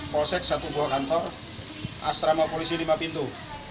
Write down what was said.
polsek satu buah kantor asrama polisi lima pintu